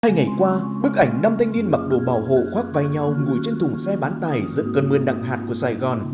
hai ngày qua bức ảnh năm thanh niên mặc đồ bảo hộ khoác vai nhau ngồi trên thùng xe bán tài giữa cơn mưa nặng hạt của sài gòn